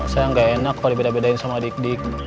saya gak enak kalo dibedain sama dikdik